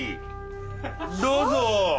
どうぞ。